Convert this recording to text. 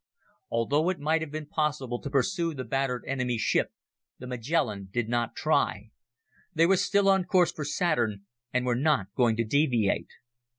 Although it might have been possible to pursue the battered enemy ship, the Magellan did not try. They were still on course for Saturn and were not going to deviate.